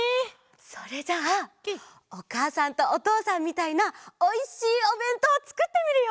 それじゃあおかあさんとおとうさんみたいなおいしいおべんとうつくってみるよ！